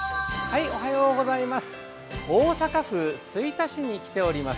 大阪府吹田市に来ております。